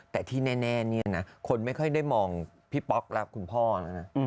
แต่ที่แน่เนี่ยนะคนไม่ค่อยได้มองพี่ป๊อกรักคุณพ่อแล้วนะ